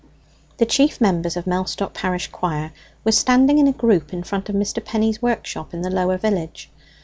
The chief members of Mellstock parish choir were standing in a group in front of Mr. Penny's workshop in the lower village.